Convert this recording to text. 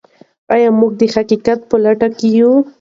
آیا موږ د حقیقت په لټه کې یو؟